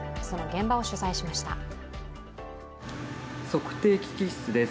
その現場を取材しました。